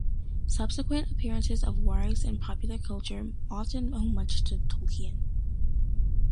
Subsequent appearances of wargs in popular culture often owe much to Tolkien.